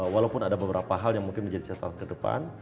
walaupun ada beberapa hal yang mungkin menjadi catatan ke depan